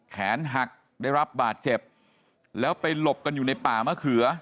แขนหักได้รับบาดเจ็บแล้วไปหลบกันอยู่ในป่ามะเขือ